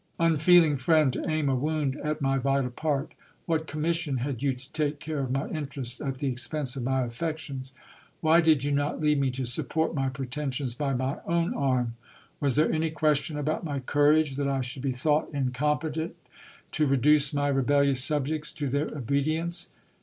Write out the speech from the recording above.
Unfeeling friend, to aim a wound at my vital part ! What commission had you to take care of my interests at the expense of my affections ? Why did you not leave me to support my pretensions by my own arm ? Was there any question about my courage that I should be thought incompetent to reduce my rebellious subjects to their obedience